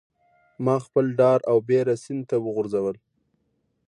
ماخپل ډار او بیره سیند ته وغورځول